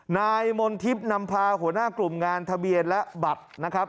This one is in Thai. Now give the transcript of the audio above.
นายมณทิพย์นำพาหัวหน้ากลุ่มงานทะเบียนและบัตรนะครับ